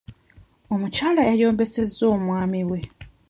Omukyala yayombesezza omwami we.